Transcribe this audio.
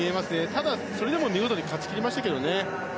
ただ、それでも見事に勝ち切りましたけどね。